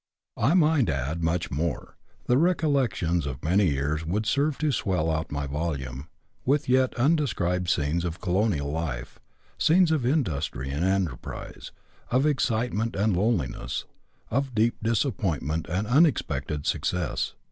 I MIGHT add much more ; the recollections of many years would serve to swell out my volume with yet undescribed scenes of colonial life — scenes of industry and enterprise, of excitement and loneliness, of deep disappointment and unexpected success.